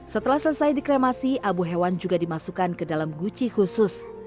setelah selesai dikremasi abu hewan juga dimasukkan ke dalam guci khusus